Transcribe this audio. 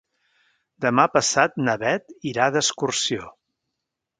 Demà passat na Bet irà d'excursió.